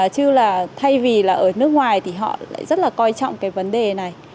chứ là thay vì là ở nước ngoài thì họ lại rất là coi trọng cái vấn đề này